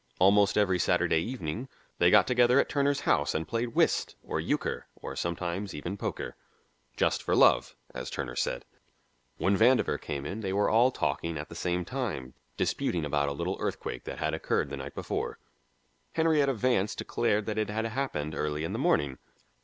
Almost every Saturday evening they got together at Turner's house and played whist, or euchre, or sometimes even poker. "Just for love," as Turner said. When Vandover came in they were all talking at the same time, disputing about a little earthquake that had occurred the night before. Henrietta Vance declared that it had happened early in the morning.